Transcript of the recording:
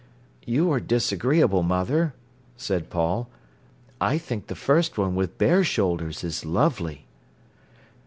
"You are disagreeable, mother," said Paul. "I think the first one with bare shoulders is lovely."